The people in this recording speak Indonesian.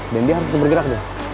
dan dia harus cukup bergerak